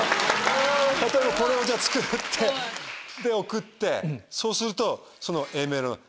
例えばこれを作って送ってそうするとその Ａ メロ。